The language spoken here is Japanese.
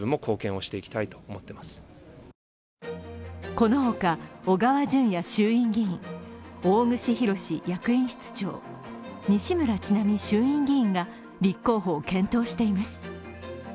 この他、小川淳也衆院議員、大串博志役員室長、西村智奈美衆院議員が立候補を検討しています。